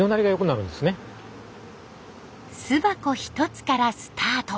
巣箱１つからスタート。